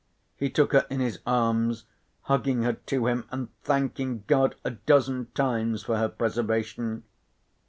He took her in his arms, hugging her to him and thanking God a dozen times for her preservation.